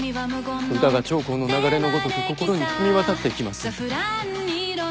歌が長江の流れのごとく心に染み渡ってきます。